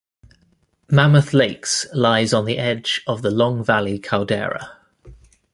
Mammoth Lakes lies on the edge of the Long Valley Caldera.